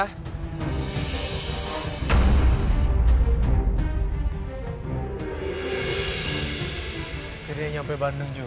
akhirnya nyampe bandung juga